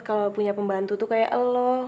kalo punya pembantu tuh kayak elo